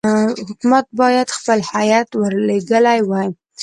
حکومت باید خپل هیات ورلېږلی وای.